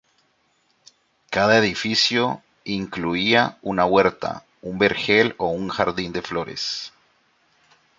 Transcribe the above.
Cada edificio incluía una huerta, un vergel o un jardín de flores.